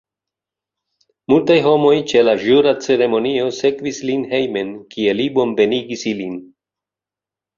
Multaj homoj ĉe la ĵura ceremonio sekvis lin hejmen, kie li bonvenigis ilin.